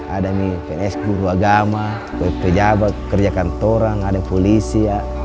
ada nih pns guru agama wp jabat kerja kantoran ada polisi